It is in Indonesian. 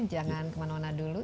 jangan kemana mana dulu